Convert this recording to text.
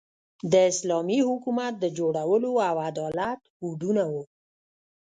د اسلامي حکومت د جوړولو او عدالت هوډونه وو.